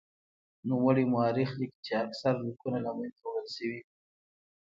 نوموړی مورخ لیکي چې اکثر لیکونه له منځه وړل شوي.